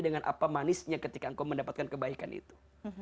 dengan apa manisnya ketika engkau mendapatkan kebaikan itu